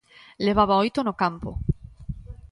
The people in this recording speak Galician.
Levaba oito no campo.